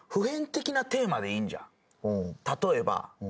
例えば。